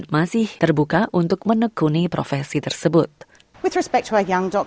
masih banyak hal yang perlu dilakukan